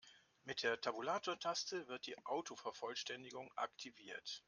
Mit der Tabulatortaste wird die Autovervollständigung aktiviert.